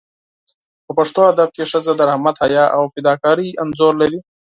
په پښتو ادب کې ښځه د رحمت، حیا او فداکارۍ انځور لري.